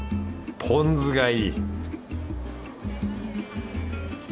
ポン酢がいい